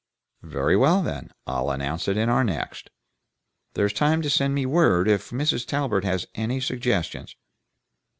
"Very well, then, I'll announce it in our next. There's time to send me word if Mrs. Talbert has any suggestions."